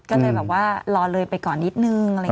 ก็เลยแบบว่ารอเลยไปก่อนนิดนึง